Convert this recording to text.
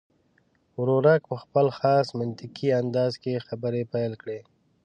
ورورک په خپل خاص منطقي انداز کې خبرې پیل کړې.